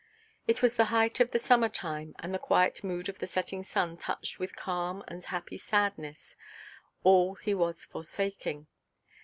It was the height of the summer–time, and the quiet mood of the setting sun touched with calm and happy sadness all he was forsaking.